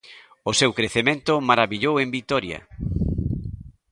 O seu crecemento marabillou en Vitoria.